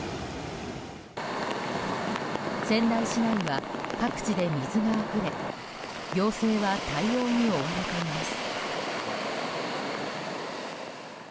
仙台市内は、各地で水があふれ行政は対応に追われています。